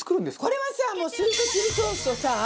これはさもうスイートチリソースとさ